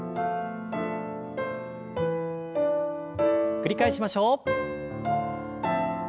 繰り返しましょう。